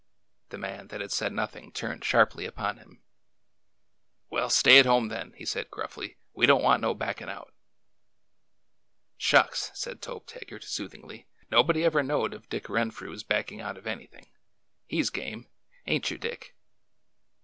The man that had said nothing turned sharply upon him. " Well, stay at home, then," he said gruffly. '' We don't want no backin' out." Shucks !" said Tobe Taggart, soothingly ;'' nobody ever knowed of Dick Renfrew's backin' out of anything. He 's game. Ain't you, Dick